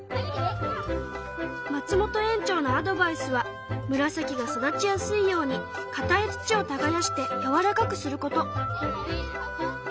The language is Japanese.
松本園長のアドバイスはムラサキが育ちやすいように硬い土を耕してやわらかくすること。